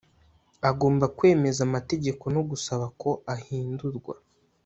Agomba kwemeza amategeko no gusaba ko ahindurwa